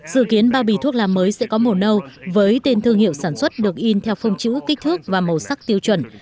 dự kiến bao bì thuốc lá mới sẽ có màu nâu với tên thương hiệu sản xuất được in theo phong chữ kích thước và màu sắc tiêu chuẩn